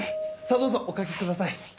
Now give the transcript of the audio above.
さぁどうぞお掛けください。